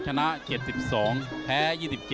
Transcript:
ชนะ๗๒แพ้๒๗